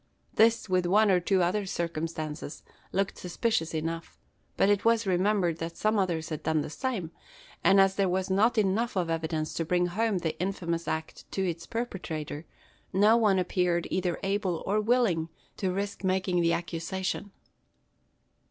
This, with one or two other circumstances, looked suspicious enough; but it was remembered that some others had done the same; and as there was not enough of evidence to bring home the infamous act to its perpetrator, no one appeared either able or willing to risk making the accusation.